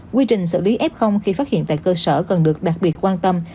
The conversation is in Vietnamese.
quy trình xử lý f khi phát hiện tại cơ sở cần được đặc biệt quan tâm